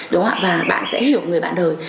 đúng không ạ và bạn sẽ hiểu người bạn đời